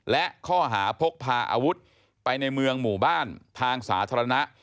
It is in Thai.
และข้อหาพกพาอาวุธไปในเมืองหมู่บ้านทางสาธารณะ